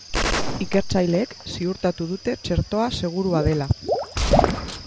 Ikertzaileek ziurtatu dute txertoa segurua dela.